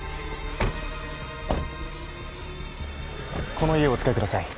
この家をお使いください